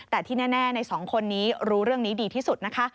แต่ที่แน่ในสองคนนี้รู้เรื่องนี้ดีที่สุดนะคะ